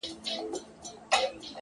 • بېګناه یم نه په ژوند مي څوک وژلی ,